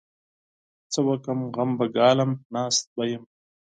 څه وکړم؟! غم به ګالم؛ ناست به يم.